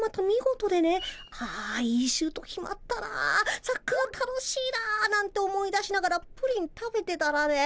「あいいシュート決まったなサッカー楽しいな」なんて思い出しながらプリン食べてたらね